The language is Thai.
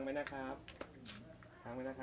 แล้วพวกเราจะมากกว่า